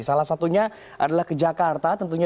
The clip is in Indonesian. salah satunya adalah ke jakarta tentunya